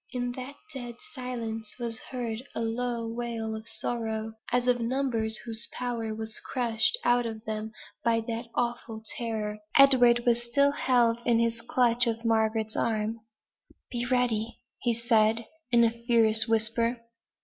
In that dead silence was heard a low wail of sorrow, as of numbers whose power was crushed out of them by that awful terror. Edward still held his clutch of Margaret's arm. "Be ready!" said he, in a fierce whisper.